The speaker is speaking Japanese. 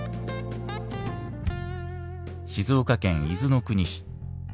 静岡県伊豆の国市。